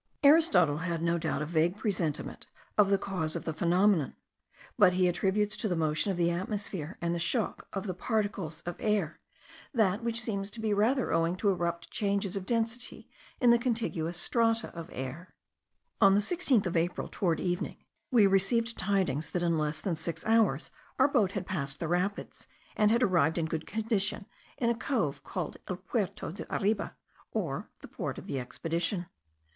Aristotle had no doubt a vague presentiment of the cause of the phenomenon; but he attributes to the motion of the atmosphere, and the shock of the particles of air, that which seems to be rather owing to abrupt changes of density in the contiguous strata of air. On the 16th of April, towards evening, we received tidings that in less than six hours our boat had passed the rapids, and had arrived in good condition in a cove called el Puerto de arriba, or the Port of the Expedition.